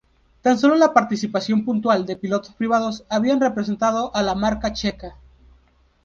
Tan solo la participación puntual de pilotos privados habían representado a la marca checa.